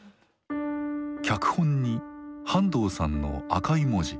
脚本に半藤さんの赤い文字。